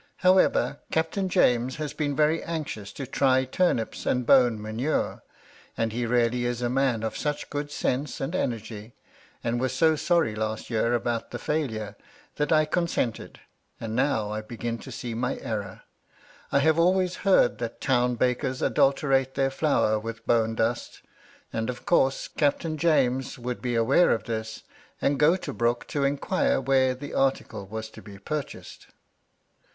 However, Captain James has been very anxious to try turnips and bone manure, and he really is a man of such good sense and energy, and was s sorry last year about the failure, that I consented ; an now I begin to see my error. I have always heard that town bakers adulterate their flour with bone dust ; and, of course. Captain James would be aware of this, and go to Brooke to inquire where the article was to be purchased."